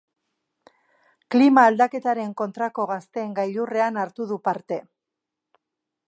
Klima-aldaketaren kontrako gazteen gailurrean hartu du parte.